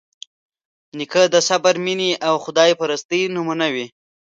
نیکه د صبر، مینې او خدایپرستۍ نمونه وي.